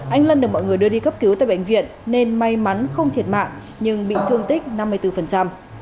anh lân được mọi người đưa đi cấp cứu tại bệnh viện nên may mắn không thiệt mạng nhưng bị thương tích năm mươi bốn